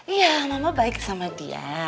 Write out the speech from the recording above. iya nama baik sama dia